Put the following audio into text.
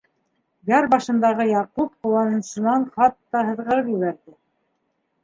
Яр башындағы Яҡуп ҡыуанысынан хатта һыҙғырып ебәрҙе.